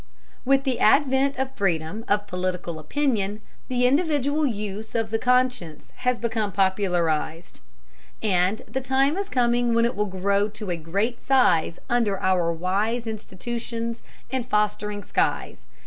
With the advent of freedom of political opinion, the individual use of the conscience has become popularized, and the time is coming when it will grow to a great size under our wise institutions and fostering skies.